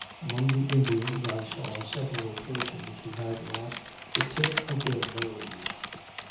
Among the Indians, I saw several persons who had lost the tip of their nose.